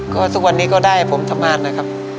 ก็ทุกวันนี้ก็ได้ผมทำงานนะครับ